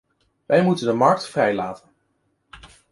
We moeten de markt vrijlaten.